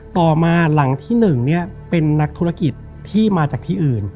ต่อมาหลังที่๑เป็นนักธุรกิจที่มาจากที่อื่น